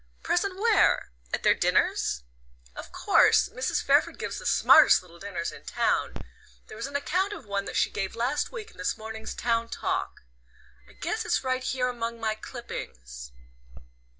"Present where? At their dinners? Of course Mrs. Fairford gives the smartest little dinners in town. There was an account of one she gave last week in this morning's TOWN TALK: I guess it's right here among my clippings."